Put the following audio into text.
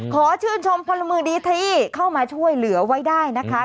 ขอชื่นชมพลเมืองดีที่เข้ามาช่วยเหลือไว้ได้นะคะ